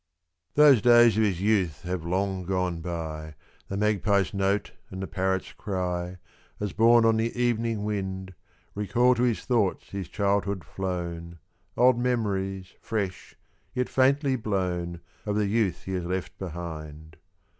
Those days of his youth have long gone by; The magpie's note and the parrot's cry, As borne on the evening wind, Recall to his thoughts his childhood flown, Old memories, fresh, yet faintly blown, Of the youth he has left behind.